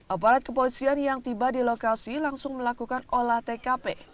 aparat kepolisian yang tiba di lokasi langsung melakukan olah tkp